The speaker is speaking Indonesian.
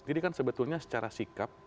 jadi kan sebetulnya secara sikap